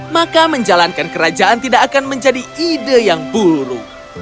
maka menjalankan kerajaan tidak akan menjadi ide yang buruk